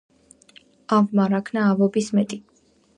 ავმა რა ქნა ავობის მეტი